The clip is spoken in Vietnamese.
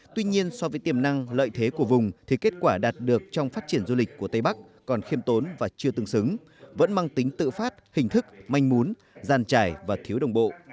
tuy nhiên so với tiềm năng lợi thế của vùng thì kết quả đạt được trong phát triển du lịch của tây bắc còn khiêm tốn và chưa tương xứng vẫn mang tính tự phát hình thức manh mún giàn trải và thiếu đồng bộ